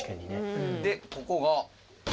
でここが。